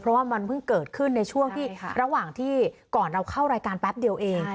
เพราะว่ามันเพิ่งเกิดขึ้นในช่วงที่ระหว่างที่ก่อนเราเข้ารายการแป๊บเดียวเอง